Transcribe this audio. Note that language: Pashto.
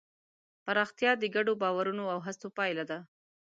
پراختیا د ګډو باورونو او هڅو پایله ده.